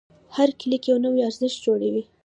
هر کلیک یو نوی ارزښت جوړوي.